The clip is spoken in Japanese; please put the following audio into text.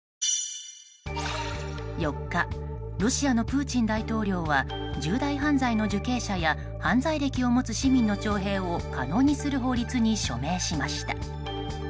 ４日、ロシアのプーチン大統領は重大犯罪の受刑者や犯罪歴を持つ市民の徴兵を可能にする法律に署名しました。